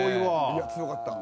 いや強かった！